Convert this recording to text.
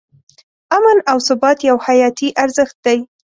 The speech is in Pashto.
امن او ثبات یو حیاتي ارزښت دی.